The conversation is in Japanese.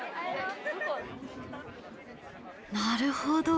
なるほど！